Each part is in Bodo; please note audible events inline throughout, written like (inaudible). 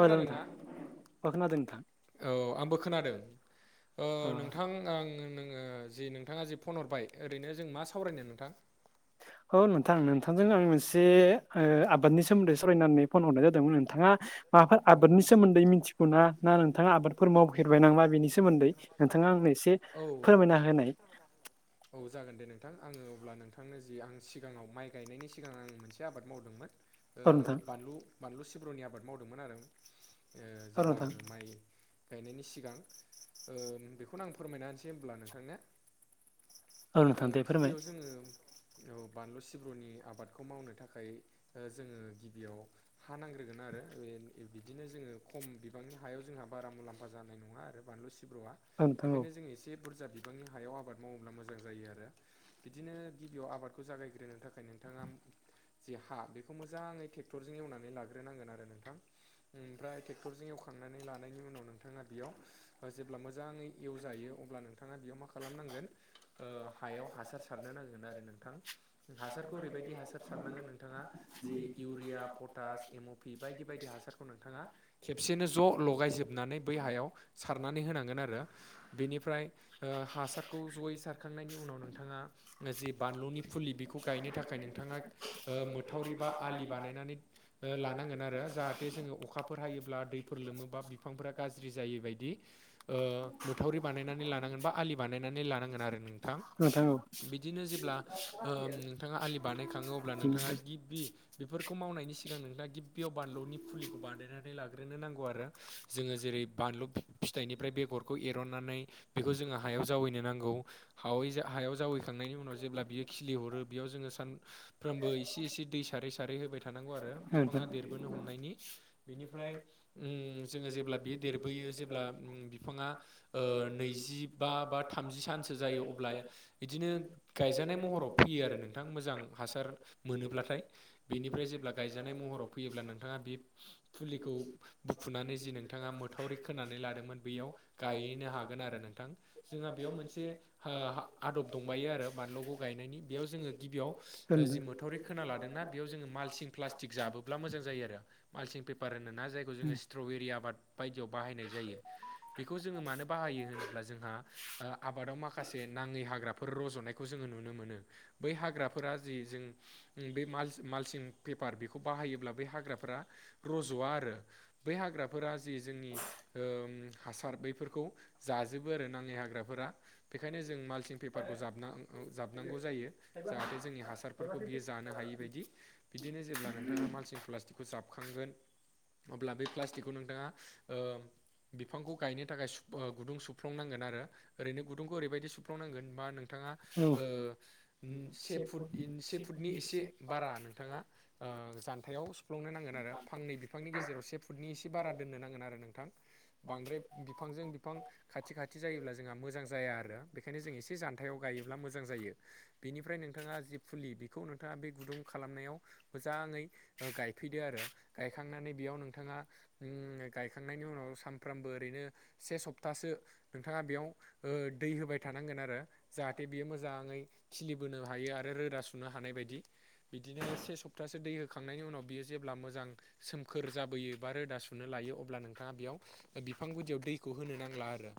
ओ नोंथां ओ खोनादों नोंथां औ आंबो खोनादों ओ अ नोंथां आं नोङो जि नोंथाङा जि फन हरबाय ओरैनो जों मा सावरायनो नोंथां? औ नोंथां नोंथांजों आं मोनसे ओ आबादनि सोमोन्दै सावरायनो होननानै फन हरनाय जादोंमोन नोंथाङा माबाफोर औ आबादनि सोमोन्दै मिथिगौ ना ना नोंथाङा आबादफोर मावफेरबाय नामा बेनि सोमोन्दै? नोंथाङा आंनो एसे औ फोरमायना होनाय। औ जागोन दे नोंथां आङो अब्ला नोंथांनो जि आं सिगाङाव माइ गायनायनि सिगां आं मोनसे आबाद मावदोंमोन। औ नोंथां बानलु बानलु सिब्रुनि आबाद मावदोंमोन आरो आं औ जेब्ला नोंथां आङो माइ गायनायनि सिगां ओ बेखौनो आं फोरमायना होनसै होनब्ला नोंथांनो औ ओ नोंथां दे फोरमाय गिबियाव जोङो औ बानलु सिब्रुनि आबादखौ मावनो थाखाय जोङो गिबियाव हा नांग्रोगोन आरो बे बिदिनो जोङो खम बिबांनि हायाव जोंहा बारा मुलाम्फा जानाय नङा आरो बानलु सिब्र'आ। औ नोंथां औ बेखायनो जों एसे बुरजा बिबांनि हायाव आबाद मावोब्ला मोजां जायो आरो। बिदिनो गिबियाव आबादखौ जागायग्रोनो थाखाय नोंथाङा जे हा बेखौ मोजाङै ट्रेक्टरजों एवनानै लाग्रोनांगोन आरो नोंथां। ओमफ्राय ट्रेक्टरजों एवखांनानै लानायनि उनाव नोंथाङा बेयाव जेब्ला मोजाङै एवजायो अब्ला नोंथाङा नोंथाङा बेयाव मा खालामनांगोन हायाव हासार सारनो नांगोन आरो नोंथां। हासारखौ ओरैबायदि हासार सारनांगोन नोंथाङा जिे इउरिया पट स एमअपि बायदि बायदि हासार सारखौ नोंथाङा खेबसेनो ज' लगायजोबनानै बै हायाव सारनानै होनांगोन आरो। बेनिफ्राय हासारखौ जयै सारखांनायनि उनाव नोंथाङा जे बानलुनि फुलि बेखौ गायनो थाखाय नोंथाङा ओ मोथावरि बा आलि बानायनानै लानांगोन आरो जाहाथ जाहाथे जोङो अखाफोर हायोब्ला दैफोर लोमोबा बिफांफोरा गाज्रि जायो बायदि ओ मोथावरि बानायनानै लानांगोन बा आलि बानायनानै लानांगोन आरो नों नोंथां बिदिनो जेब्ला नोंथाङा आलि बानायखाङो अब्ला नोंथाङा बिनिफ्राय गि गिबि बेफोरखौ मावनायनि सिगां नोंथाङा गिबियाव बानलुनि फुलिखौ बानायायनानै लाग्रोनो नांगौ आरो। जोङो जेरै बानलु फिथाइनिफ्राय बेगरखौ एरननानै बेखौ जोङो हायाव जावैनो नांगौ हावै हायाव जावैखांनायनि उनाव जेब्ला बियो खिलिहरो बेयाव जोङो सानफ्रोमबो इसे एसे दै सारै सारै होबाय थानांगौ आरो औ नोंथां औ बिफाङा देरबोनो हमनायनि। बिनिफ्राय उम जोङो जेब्ला बेयो देरबोयो जेब्ला उम बिफाङा नैजि बा बा थामजि सानसो जायो अब्ला बिदिनो गायजानाय महराव फैयो आरो नोंथां मोजां हासार मोनोब्लाथाय। बेनिफ्राय जेब्ला गायजानाय महराव फैयोब्ला नोंथाङा बे फुलिखौ बुखुनानै जि नोंथाङा मोथावरि खोनानै लादोंमोन बेयाव गायहैनो हागोन आरो नोंथां। जोंहा बेयाव मोनसे आदब दंबायो आरो बानलुखौ गायनायनि बेयाव जोङो गिबियाव औ नोंथां औ जि मोथावरि खोना लादोंना बेयाव जोङो माल्सिं प्लास्टिक जाबोब्ला मोजां जायो आरो। माल्सिं पेपार होनो ना जायखौ जोङो स्ट्रबेरि आबाद बायदियाव बाहायनाय जायो। बेखौ जोङो मानो बाहायो होनोब्ला जोंहा आबादाव माखासे नाङै हाग्रा फोर रज'नायखौ जोङो नुनो मोनो बै हाग्राफोरा जि जों बे माल्सिं पेपार बेखौ बाहायोब्ला बे हाग्राफ्रा रज'वा आरो बै हाग्राफोरा जि जोंनि हासार बैफोरखौ जाजोबो आरो नांङै हाग्राफोरा बेखायनो जों माल्सिं पेपारखौ जाबना जाबनांगौ जायो जाहाथे जोंनि हासारफोरखौ बियो जानो हायै बायदि। बिदिनो जेब्ला नोंथाङा मालसिं प्लास्टिकखौ जाबखांगोन। अब्ला बे प्लास्टिकखौ नोंथाङा ओ बिफांखौ गायनो थाखाय सु ओ गुदुं सुफ्लुंनांगोन आरो ओरैनो गदुंखौ ओरैबायदि सुफ्लुनांगोन मा नोंथाङा। ओ ओम से फुटनि से फुटनि एसे बारा नोंथाङा ओ जान्थायाव सुफ्लं। आरो फांनै बिफांनि गेजेराव से फुटनि एसे बारा दोननो नांगोन आरो नोंथां। बांद्राय बिफांजों बिफां खाथि खाथि जायोब्ला जोंहा मोजां जाया आरो बेखायनो जों एसे जान्थायाव गायोब्ला मोजां जायो। बेनिफ्राय नोंथाङा जि फुलि बेखौ नोंथाङा बे गुदुं खालामनायाव मोजाङै गायफैदो आरो गायखांनानै बेयाव नोंथाङा। ओम गायखांनायनि उनाव सानफ्रोमबो ओरैनो से सप्तासो नोंथाङा बेयाव। ओ दै होबाय थानांगोन आरो जाहाथे बियो मोजाङै खिलिबोनो हायो आरो रोदा सुनो हानाय बायदि। बिदिनो से सप्तसो दै होखांनायनि उनाव बियो जेब्ला मोजां‌। जां सोमखोर जाबोयो बा रोदा सुनो लायो अब्ला नोंथाङा बेयाव। बिफां गुदियाव दैखौ होनो नांला आरो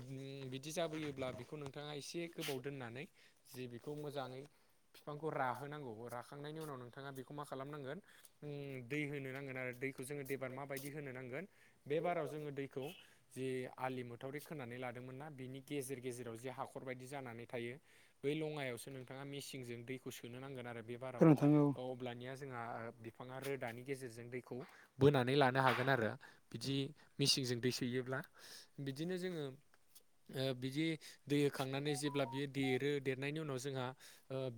ओम बिदि जाबोयोब्ला बेखौ नोंथाङा एसे गोबाव दोननानै जि बेखौ मोजाङै। फिफांखौ राहोनांगौ राखांनायनि उनाव नोंथाङा बेखौ मा खालामनांगोन ओम दै होनो नांगोन आरो दैखौ जोङो देबार माबायदि होनो नांगोन बे बाराव जोङो दैखौ जि आलि मोथावरि खोनानै लादोंमोन नना बिनि गेजेर गेजेराव जि हाखरबायायदि जानानै थायो बै लङायावसो नोंथाङा मेसिंजों दैखौ सोनो नांगोन आरो बे बाराव अब्लानिया जोंहा बिफाङा रोदानि बा गेजेरजों दैखौ बोनानै लानो हागोन आरो बिदि मेसिनजों दै सोयोब्ला बिदिनो जोङो ओ बिदि दै होखांनानै जेब्ला बियो देरो देर नायनि उनाव जोंहा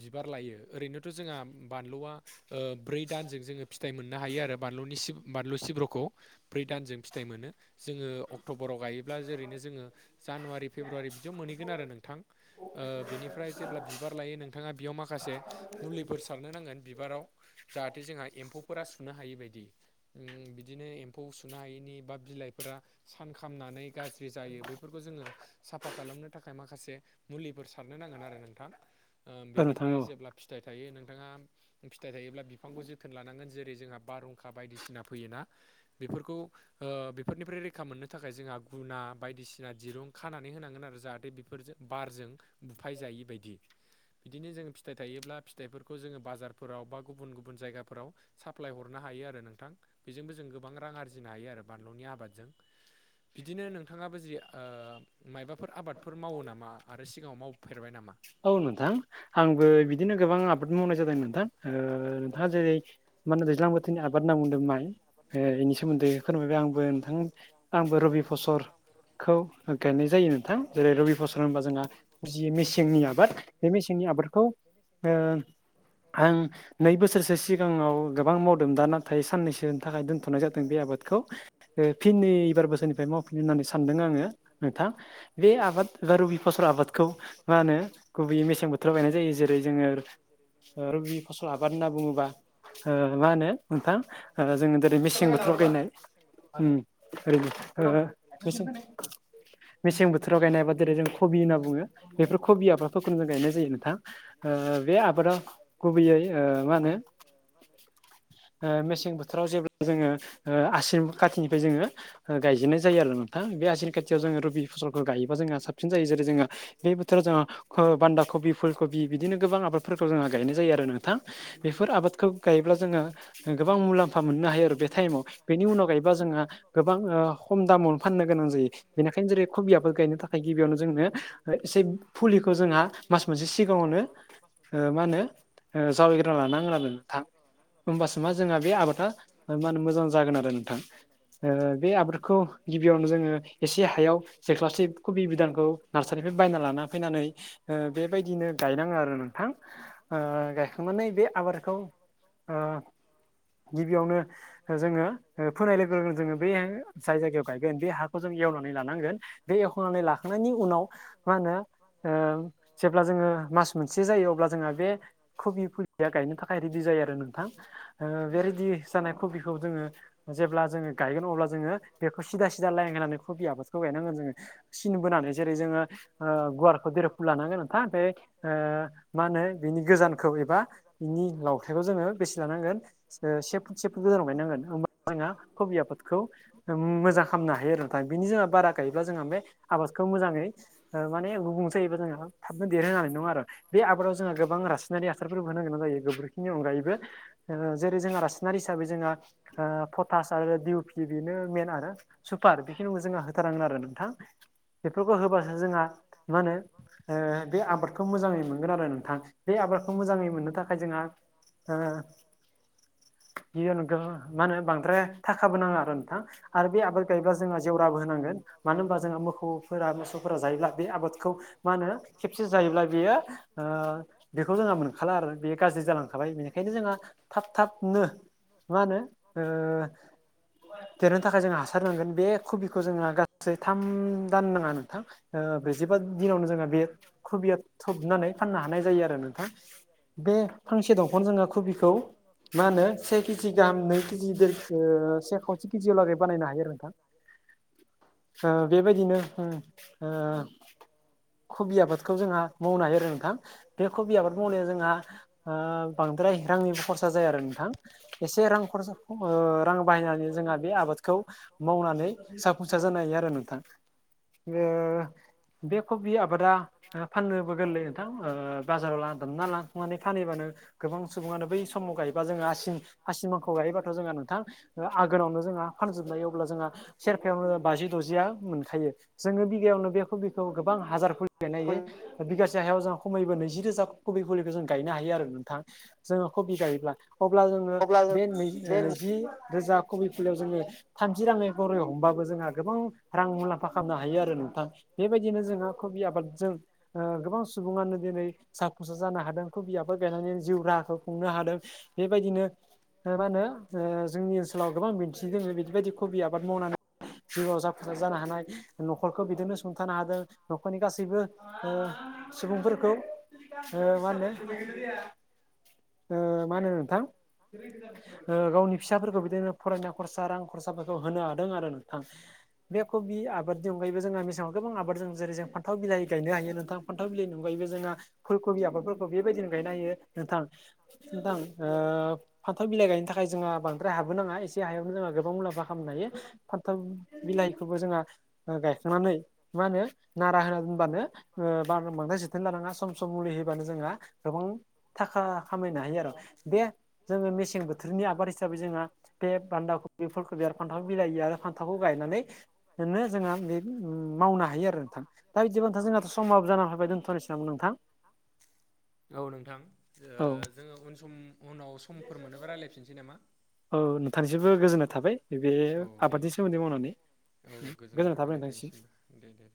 बिबार लायो ओरैनोथ' जोंहा बानलुआ ब्रै दानजों जोङो फिथाइ मोन नो हायो आरो बानलुनि सिब बानलु सिब्र'खौ ब्रै दानजों फिथाइ मोनो जोङो अक्ट'बराव गायोब्ला जरैनो जोङो जानुवारि फेब्रुवारि बिदियाव मोनहैगोन आरो नोंथां ओ बिनिफ्राय जेब्ला ओ बिबार लायो नोंथाङा बियाव माखासे मुलिफोर सार रनो नांगोन बिबाराव जाहाथे जोंहा एमफौ फोरा सुनो हायि बायदि बिदिनो एम्फौ सुनो हायैनि बा बिलाइफोरा सान खालामनानै गाज्रि जायो बैफोरखौ जोङो साफा खालामनो थाखाय माखासे मुलिफोर सारनो नांगोन आरो नोंथां औ नोंथां बेनिफ्राय औ जेब्ला फिथाइ थायो नोंथाङा फिथाइ थायोब्ला बिफांखौ जोथोन लानांगोन जेरै जोंहा बारहुंखा बायदिसिना फैयोना बेफोरखौ ओ बेफोरनिफ्राय रैखा मोननो थाखाय जोंहा गुना बायदिसिना दिरुं खानानै होनांगोन आरो जाहाथे बेफोरजों बारजों बुफाय जायि बदि बिदिनो जोङो फिथाइ थायोब्ला फिथाइफोरखौ जोङो बाजारफोराव बा गुबुन गुबुन जायगाफोराव साप्लाय हरनो हायो आरो नोंथां बेजोंबो जों गोबां रां आरजिनो हायो आरो बानलुनि आबादजों बिदिनो नोंथाङाबो जि मायबाफोर आबादफोर मावो नामा आरो सिगाङाव मावफेरबाय नामा औ नोंथां आंबो बिदिनो गोबां आबाद मावनाय जादों नोंथां नोंथाङा जेरै मा होनो दैज्लां बोथोरनि आबाद होनना बुंदों माइ ओ बेनि सोमोन्दै फोरमायबाय आंबो नोंथां आंबो रबि फसर खौ गायनाय जायो नोंथां जेरै रबि फसर होनबा जोंहा जि मि मेसेंनि आबाद बे मेसेंनि आबादखौ आं नै बोसोरसो सिगाङाव गोबां मावदों दा नाथाय साननैसोनि थाखाय दोन्थ'नाय जादों बे आबादखौ फिन नै एबार बोसोरनिफ्राय मावफिनो होननानै सानदों आङो नोंथां बे आबाद एबा रबि फसल आबादखौ मा होनो गुबैयै मेसें बोथोराव बायनाय जायो जेरै जोङो ओ रबि फसल आबाद होनना बुङोबा ओ मा होनो? नोंथां आ जोङो दिनै मेसें बोथोराव गायनाय (inaudible) ओम। आरो (unintelligible) ओ मेसें मेसें बोथोराव गायनाय बा जेरै जों खबि होनना बुङो बेफोर खबि आबाद फोरखौनो गायनाय जायो नोंथां। ओ बे आबादा गुबैयै औ मा होनो आ मेसें बोथोराव जेब्ला जोङो ओ आसिन खाथिनि फ्राय जोङो आ गाजेननाय जायो आरो नोंथां बे आसिन खाथियाव जोङो रबि फसलखौ गायोबा जोंहा साबसिन जायो जेरै जोंहा बे बोथोराव जोङो क बान्दा कबि फुल कबि बिदिनो गोबां आबाद फोरखौ जोंङो गायनाय जायो आरो नोंथां। बेफोर आबादखौ गायोब्ला जोङो गोबां मुलाम फा मोननो हायो आरो बे टाइमाव बेनि उनाव गायबा जोंहा गोबां ओ खम दामाव फाननो गोनां जायो बेनिखायनो जेरै खबियाबो गायनो थाखाय गिबियावनो जोंनो एसे फुलिखौ जोंहा मास मोनसे सिगाङावनो आ मा होनो जावैग्रा लानां गोन आरो नोंथां होमबासो मा जोंहा बे आबाद मा होनो मोजां जागोन आरो नोंथां। आ बे आबादखौ गिबियावनो जोङो एसे हायाव जेख्लाब से कबि बिदानखौ नार सारि निफ्राय बायना लाना फैनानै आ बेबायदिनो गायनाङो आरो नोंथां ओ गायखांनानै बे आबादखौ आ गिबियावनो जोङो ओ फोनाय लोगो लोगो जोङो बे जाय जायगायाव गायगोन बे हाखौ जों एवनानै लानांगोन। बे एवखांनानै लाखांनायनि उनाव मा होनो ओ जेब्ला जोङो मास मोनसे जायो अब्ला जोंहा बे कबि फु लिया गायनो थाखाय रेदि जायो आरो नोंथां आ बे रेदि जानाय कबिखौ जोङो जेब्ला जोङो गायगोन अब्ला जोङो बेखौ सिदा सिदा लाायन होननानै खबि आबादखौ गायनांगोन जोङो। सिन बोनानै जेरै जोङो ओ गुवारखौ देरा फुलानानै दोनो थान ओमफ्राय ओ मा होनो बिनि गोजानखौ एबा बिनि लावथायखौ जोङो बेसे लानांगोन? से फुट से फुट गोजानाव गायनांगोन होम बाना कबि आबादखौ ओम मोजां खालामनो हायो आरो नोंथां बिनि जोंहा बारा गायोब्ला जोंहा बे आबादखौ मोजाङै ओ माने गुबुं जायोबा जोंहा थाबनो देरहो नाय नङा आरो बे आबादाव जोंहा गोबां रासनारि फोर (inaudible) जायो गोबोरखिनि अनगायैबो ओ जेरै जोंहा रासिनारि हिसाबै जोंहा पटास आरो दिउ पि बेनो मेन आरो। सुपार बेखिनिखौ जोंहा होथारनांगोन आरो नोंथां बेफोरखौ होबा जोंहा आ बे आबादखौ मोजाङै मोनगोन आरो नोंथां बे आबादखौ मोजाङै मोननो थाखाय जोंहा आ (inaudible) मा होनो बांद्राय थाखाबो नाङा आरो नोंथां। आरो बे आबाद गायब्ला जोङो जेवराबो होनांगोन मानो होनबा जोंहा मोखौ फोरा मोसौ गायब्ला बे आबाद खौ मा होनो खेबसे जायोब्ला बेयो ओ दि खौ जोंहा मोनखाला आरो बे गाज्रि जालांखाबाय बेनिखायनो जोंहा थाब थाब नो मा होनो ओ देरनो थाखाय जों हासार नांगोन बे खबिखौ जोंहा गा सै थाम दान नाङा नोंथां। आ ब्रैजिबा दिनावनो जोंहा बे खबिया थबनानै फाननो हानाय जायो आरो नोंथां। बे फांसे दंफां जोङो कबिखौ मा होनो से केजि गाहाम नै केजि दैखो से खावसे केजियाव लागै बानायनो हायो आरो नोंथां। आ बेबायदिनो ओ ओ कबि आबादखौ जोंहा मावनो हायो आरो नोंथां बे कबि आबाद मावनायाव जोंहा आ बांद्राय रांनिबो खरसा जाया आरो नोंथां। एसे रां खरसा खम ओ रां बाहायनानै जोंहा बे आबादखौ मावनानै सा फुंसार जानो हायो आरो नोंथां ओ बे खबि आबादा फाननोबो गोरलै नोंथां ओ बाजाराव लांद (unintelligible) ना लांनानै फानहै बानो गोबां सुबुंङानो बै समाव गायोबा जोंङो आसिम आसिनाव हगायोबाथ' जोंहा नोंथां आघगावनो जोंहा फानजोबनायायो अब्ला जोंहा सेरफायावनो बाजि द'जिया मोनखायो जोंङो बिगायावनो बे कबिखौ गोबां हाजारफोर गनायायो बिगासे जाहायाव जों खमैबो नैजि रोजा कबि खखौ जों गायनो हायो आरो नोंथां। जोंङो कबि गायोब्ला अब्ला जोंङो अब्ला जों बे नै बे नैजि रोजा कबि फुलियाव जोंङो थामजि रांङै गरै हमबाबो जोंहा गोबां रां मुलाम्फा खालामनो हायो आरो नोंथां। बेबायदिनो जोंहा कबि आबादजों गोबां सुबुंङानो दिनै फिसा फुस जानो हादों ख बियाबफोर गायनानै जिउ राहाखौ खुंनो हादों बेबायदिनो मा होनो जोंनि ओनसोलाव गोबां दिन्थि दंङो बिदिबायदि खबि आबाद मावनानै जिउआव जाफुंसार जानो हानाय न'खरखौ बिदिनो फसुंथानो हादों न'खरनि गासैबो सुबुंफोरखौ मा होनो मा होनो नोंथां। गावनि फिसाफोरखौ बिदिनो फरायना खरसा रां खरसाफोरखौ होनो हादों आरो नोंथां। बे कबि आबादनि अनायैबो जोंहा मेसेंआव गोबां आबादजों जेरै जों फान्थाव बिलाइ गायनो हायो नोंथां फान्थाव बिलाइ ननगायबो जोंङहा फुलकबि आबादफोरखौ बेबायदिनो गायनो हायो नोंथां नोंथां। फान्थाल बिलाइ गायनो थाखाय जोंहा बांद्राय हाबोनाङा एसे हायावनो जोंहा गोबां मुलाम्फा खालामनो हायो। फान्थाल बिलाइखौबो जोंहा गायखांनानै मा होनो नारा होना दोबानो ओ बार बांद्राय जोथोन लानांङा सम सम मुलि होबानो जोंहा। गोबां थाखा खामायनो हायो आरो बे जोंङो मेसें बोथोरनि आबाद हिसाबै जोंहा बे बान्दाखफि फुलखफि आरो फान्थाव बिलाइ आरो फान थावखौ गायनानैनो जोंहा बे मावनो हायो आरो आरो नोंथां दा बिदिबानोंथां जोंहाथ' समाबो जानानै फैबाय दोनथ'नोसै नामा नोंथां? औ नोंथां ओ औ जोंङो उन सम उनाव समफोर मोनोबा रायज्लायफिननोसै नामा औ नोंथांनिसबो गोजोननाय थाबाय नैबे औ दे आबादनि सोमोन्दै मावनानै गोजोननाय थाबाय नोंथांनिसिम दे दे दे